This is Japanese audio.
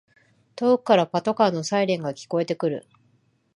遠くからパトカーのサイレンが聞こえてくる